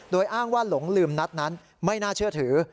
โดยอ้างว่าหลงลืมนัดนั้นไม่น่าเชื่อถือ